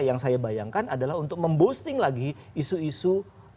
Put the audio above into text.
yang saya bayangkan adalah untuk memboosting lagi isu isu